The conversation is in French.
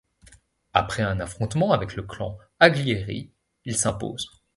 Après un affrontement avec le clan Aglieri, il s'impose.